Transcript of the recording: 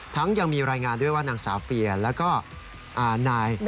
ยังมีรายงานด้วยว่านางสาวเฟียแล้วก็นาย